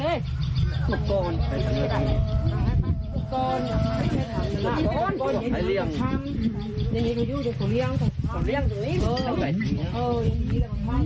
เอาไปอันนั้นตรงนั้น